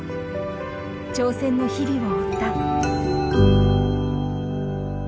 挑戦の日々を追った。